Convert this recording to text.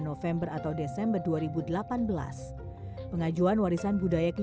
november atau desember dua ribu delapan belas pengajuan warisan budaya ke